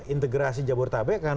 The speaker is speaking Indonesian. integrasi jabodetabek kan